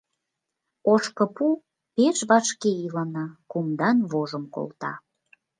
Ошкыпу пеш вашке илана, кумдан вожым колта.